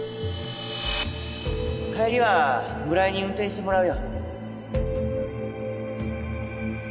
帰りは村井に運転してもらうよ